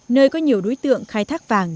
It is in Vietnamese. nơi có nhiều đối tượng khai thác vàng